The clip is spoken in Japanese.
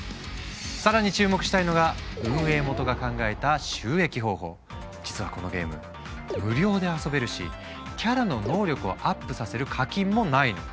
更に注目したいのが実はこのゲーム無料で遊べるしキャラの能力をアップさせる課金もないの。